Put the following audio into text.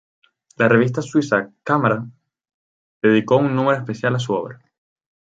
La revista suiza "Camera" dedicó un número especial a su obra.